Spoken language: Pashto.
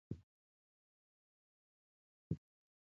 کلاشينکوف ته دوى ماشين وايي.